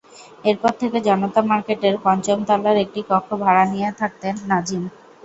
এরপর থেকে জনতা মার্কেটের পঞ্চম তলার একটি কক্ষ ভাড়া নিয়ে থাকতেন নাজিম।